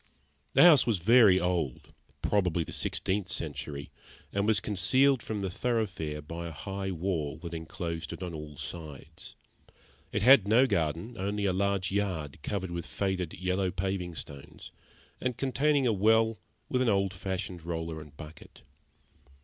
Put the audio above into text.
The house was very old probably the sixteenth century and was concealed from the thoroughfare by a high wall that enclosed it on all sides. It had no garden, only a large yard, covered with faded yellow paving stones, and containing a well with an old fashioned roller and bucket.